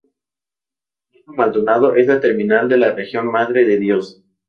Puerto Maldonado es la terminal de la región Madre de Dios.